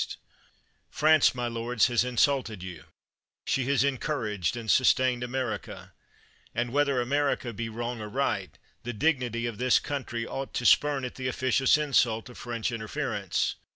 213 THE WORLD'S FAMOUS ORATIONS France, my lords, has insulted you; she has encouraged and sustained America ; and, whether America be wrong or right, the dignity of this country ought to spurn at the officious insult of French interference.